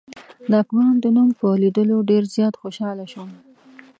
د افغان د نوم په لیدلو ډېر زیات خوشحاله شوم.